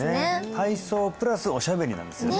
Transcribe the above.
体操プラスおしゃべりなんですよね